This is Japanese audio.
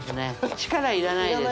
力いらないです